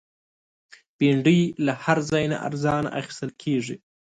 بېنډۍ له هر ځای نه ارزانه اخیستل کېږي